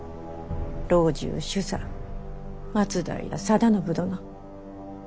老中首座松平定信殿。